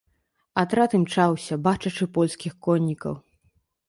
Атрад імчаўся, бачачы польскіх коннікаў.